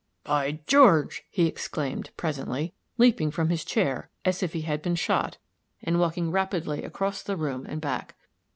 By George!" he exclaimed, presently, leaping from his chair as if he had been shot, and walking rapidly across the room and back.